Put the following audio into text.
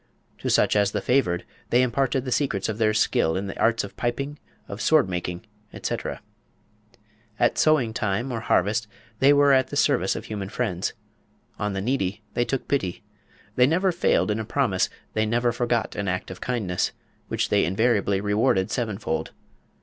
To such as they favoured they imparted the secrets of their skill in the arts of piping, of sword making, etc. At sowing time or harvest they were at the service of human friends. On the needy they took pity. They never failed in a promise; they never forgot an act of kindness, which they invariably rewarded seven fold.